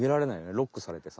ロックされてさ。